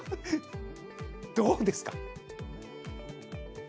どうですか？